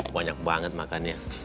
banyak banget makannya